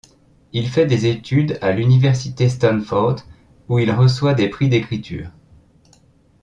Il fait des études à l'université Stanford où il reçoit des prix d'écriture.